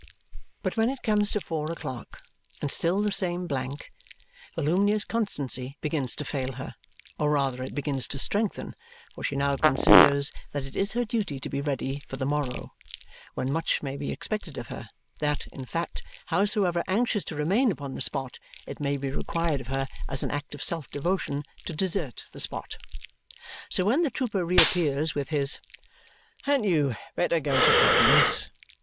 But when it comes to four o'clock, and still the same blank, Volumnia's constancy begins to fail her, or rather it begins to strengthen, for she now considers that it is her duty to be ready for the morrow, when much may be expected of her, that, in fact, howsoever anxious to remain upon the spot, it may be required of her, as an act of self devotion, to desert the spot. So when the trooper reappears with his, "Hadn't you better go to bed, miss?"